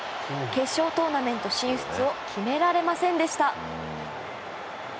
決勝トーナメント進出を決められませんでした。